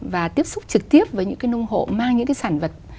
và tiếp xúc trực tiếp với những cái nông hộ mang những cái sản vật